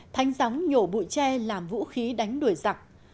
thanh gióng nhổ bụi tre làm vũ khí đánh đuổi giặc